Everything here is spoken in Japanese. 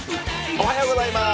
おはようございます。